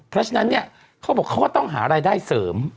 เพราะฉะนั้นเนี่ยเขาบอกเขาก็ต้องหารายได้เสริม